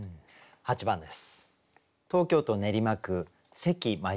８番です。